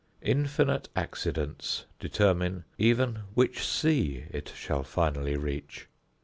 Infinite accidents determine even which sea it shall finally reach.